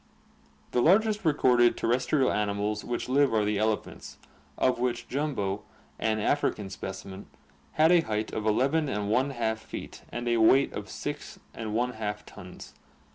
The largest recorded ter restrial animals which live are the elephants, of which "Jumbo," an African specimen, had a height of n}4 feet and a weight of 6}4 tons.